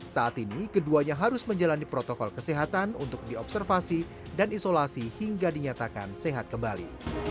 saat ini keduanya harus menjalani protokol kesehatan untuk diobservasi dan isolasi hingga dinyatakan sehat kembali